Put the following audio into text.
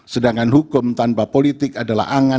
sedangkan hukum tanpa politik adalah angan